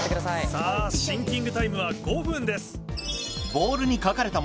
さぁシンキングタイムは５分です。